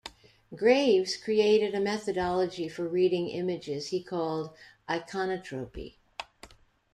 Graves created a methodology for reading images he called "iconotropy".